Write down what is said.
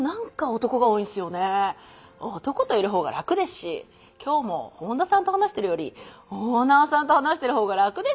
男といるほうが楽ですし今日も本田さんと話してるよりオーナーさんと話してるほうが楽ですもん。